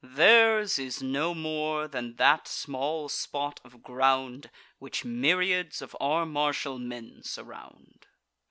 Theirs is no more than that small spot of ground Which myriads of our martial men surround.